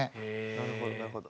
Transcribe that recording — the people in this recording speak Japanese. なるほどなるほど。